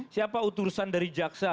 siapa utusan dari jaksa